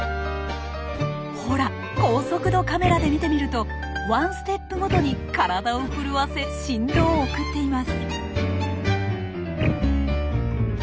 ほら高速度カメラで見てみるとワンステップごとに体を震わせ振動を送っています。